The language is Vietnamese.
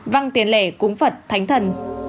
văng tiền lẻ cúng phật thánh thần